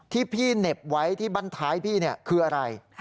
ที่พี่เหน็บไว้ที่บ้านท้ายพี่คืออะไร